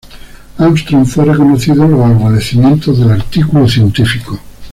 Armstrong fue reconocido en los agradecimientos del artículo científico.